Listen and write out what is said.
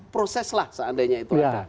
proseslah seandainya itu ada